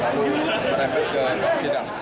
dan lalu merebut ke sida